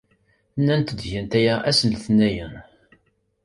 Nnant-d gant aya ass n letniyen.